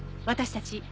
私たち？